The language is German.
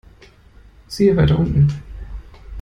Siehe weiter unten.